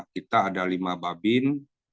kita ada lima babin